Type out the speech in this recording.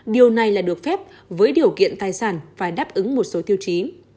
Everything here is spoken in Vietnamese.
điều này là được phép với điều kiện tài sản phải đáp ứng một số tiêu chí